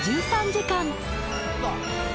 １３時間